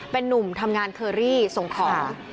เป็นนุ่มทำงานเคอรี่ส่งของ